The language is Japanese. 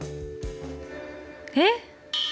えっ！？